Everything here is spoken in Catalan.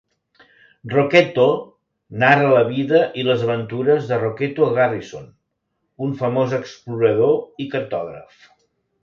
"Rocketo" narra la vida i les aventures de Rocketo Garrison, un famós explorador i cartògraf.